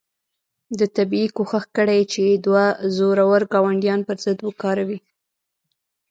ده طبیعي کوښښ کړی چې دوه زورور ګاونډیان پر ضد وکاروي.